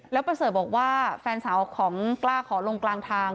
แล้วประเสริฐบอกว่าแฟนสาวของกล้าขอลงกลางทาง